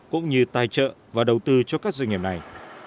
cũng như tài trợ và đầu tư cho các doanh nghiệp này